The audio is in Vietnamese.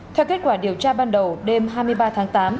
theo kết quả điều tra ban đầu đêm hai mươi ba tháng tám